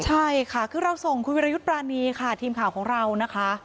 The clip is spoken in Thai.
ใช่ค่ะคือเราส่งคุณวิรยุทธ์ปรานีค่ะทีมข่าวของเรานะคะ